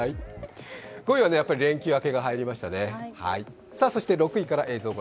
５位は連休明けが入りましたね。